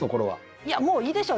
いやもういいでしょう。